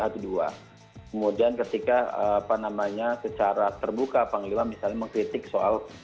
kemudian ketika secara terbuka panglima misalnya mengkritik soal